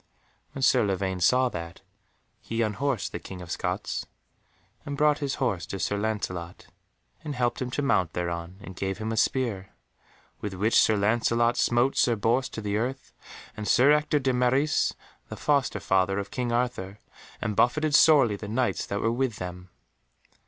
When Sir Lavaine saw that, he unhorsed the King of Scots, and brought his horse to Sir Lancelot, and helped him to mount thereon and gave him a spear, with which Sir Lancelot smote Sir Bors to the earth and Sir Ector de Maris, the foster father of King Arthur, and buffeted sorely the Knights that were with them.